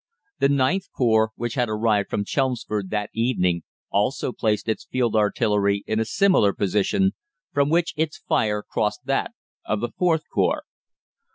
"The IXth Corps, which had arrived from Chelmsford that evening, also placed its field artillery in a similar position, from which its fire crossed that of the IVth Corps.